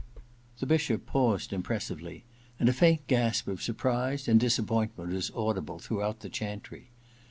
* The Bishop paused impressively, and a faint gasp of surprise and disappointment was audible throughout the chantry.